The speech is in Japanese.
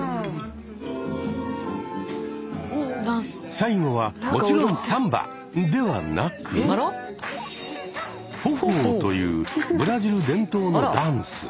最後はもちろんサンバではなく「フォホー」というブラジル伝統のダンス。